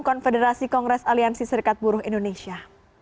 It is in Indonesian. konfederasi kongres aliansi serikat buruh indonesia